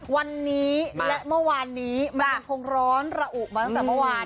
วันนี้และเมื่อวานนี้มันยังคงร้อนระอุมาตั้งแต่เมื่อวาน